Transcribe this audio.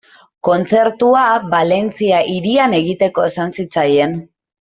Kontzertua Valentzia hirian egiteko esan zitzaien.